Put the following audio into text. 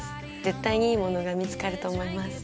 絶対にいいものが見つかると思います。